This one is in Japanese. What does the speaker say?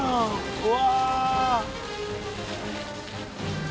うわ！